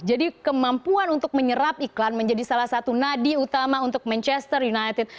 jadi kemampuan untuk menyerap iklan menjadi salah satu nadi utama untuk manchester united